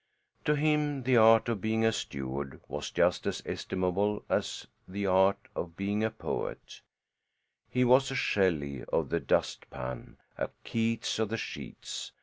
To him the art of being a steward was just as estimable as the art of being a poet; he was a Shelley of the dustpan; a Keats of the sheets.